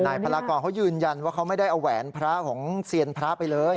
พลากรเขายืนยันว่าเขาไม่ได้เอาแหวนพระของเซียนพระไปเลย